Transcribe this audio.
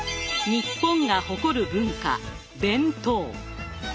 日本が誇る文化弁当。